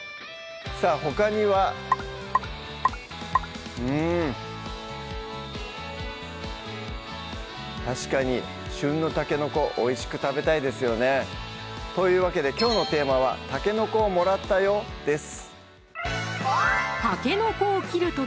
さぁほかにはうん確かに旬のたけのこおいしく食べたいですよねというわけできょうのテーマは「たけのこをもらったよ！」です